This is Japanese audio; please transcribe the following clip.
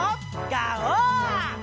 ガオー！